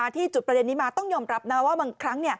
ที่จุดประเด็นนี้มาต้องยอมรับว่าบางครั้ง